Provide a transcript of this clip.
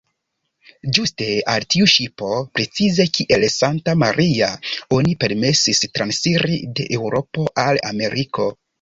Ĝuste al tiu ŝipo, precize kiel "Santa-Maria", oni permesis transiri de Eŭropo al Ameriko.